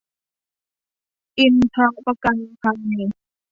อินทรประกันภัย